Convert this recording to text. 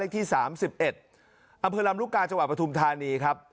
ที่สามสิบเอ็ดอำเภอรำรุกาจังหวัดประธุมธานีครับ